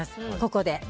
ここで。